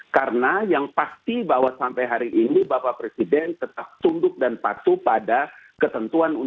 karena yang pasti bahwa sampai hari ini bapak presiden tetap tunduk dan patuh pada ketentuan umumnya